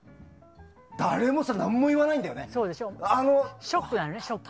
誰も何も言わないんだよね。